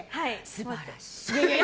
素晴らしい！